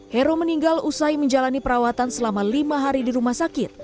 heru meninggal usai menjalani perawatan selama lima hari di rumah sakit